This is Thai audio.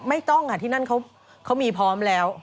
ไม่ต้องค่ะที่นั่นเขามีพร้อมแล้ว